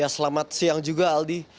selamat siang juga aldi